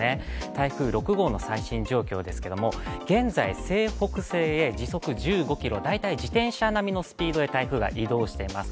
台風６号の最新状況ですけど、現在、西北西へ時速１５キロ、大体自転車並みのスピードで台風が移動しています。